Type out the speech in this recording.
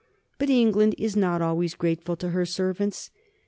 But England is not always grateful to her servants.